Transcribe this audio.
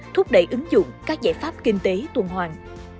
thúc đẩy ứng dụng các giải pháp kinh tế tuần hoàng